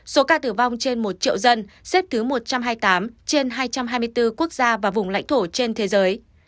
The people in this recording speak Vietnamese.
số ca tử vong trên một triệu dân xếp thứ một trăm hai mươi tám trên hai trăm hai mươi bốn quốc gia và vùng lãnh thổ trên thế giới